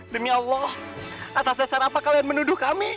demi allah atas dasar apa kalian menuduh kami